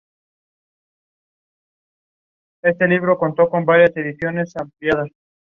Zuazo tomó al Escorial como inspiración para el proyecto.